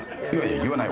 言わない。